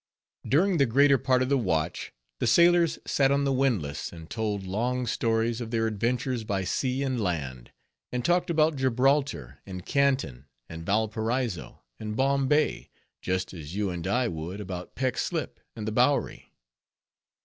During the greater part of the watch, the sailors sat on the windlass and told long stories of their adventures by sea and land, and talked about Gibraltar, and Canton, and Valparaiso, and Bombay, just as you and I would about Peck Slip and the Bowery.